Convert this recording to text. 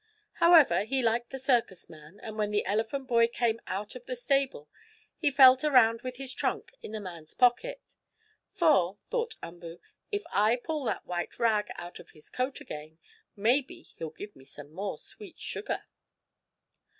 However he liked the circus man, and when the elephant boy came out of the stable he felt around with his trunk in the man's pocket. "For," thought Umboo, "if I pull that white rag out of his coat again, maybe he'll give me some more sweet sugar."